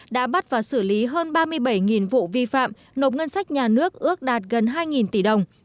đã bắt và xử lý hơn ba mươi bảy vụ vi phạm nộp ngân sách nhà nước ước đạt gần hai tỷ đồng